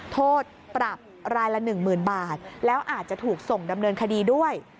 โทษปรับรายละ๑๐๐๐บาทแล้วอาจจะถูกส่งดำเนินคดีด้วย